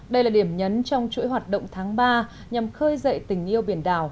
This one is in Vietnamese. đây là điểm nhấn trong chuỗi hoạt động tháng ba nhằm khơi dậy tình yêu biển đảo